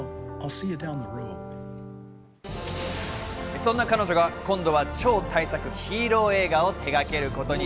そんな彼女が今度は超大作ヒーロー映画を手がけることに。